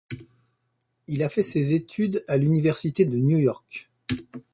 Il a fait ses études à l'Université de New York.